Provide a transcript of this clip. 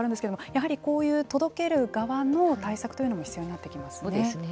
やはりこういう届ける側の対策というのも必要になってきますよね。